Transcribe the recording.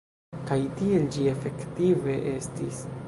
Kaj tiel ĝi efektive estis.